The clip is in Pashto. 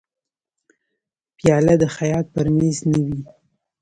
پیاله د خیاط پر مېز نه وي.